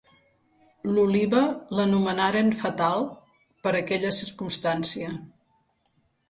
L'oliva l'anomenaren "fatal" per aquella circumstància.